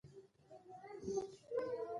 خوشحال ادبي مکتب: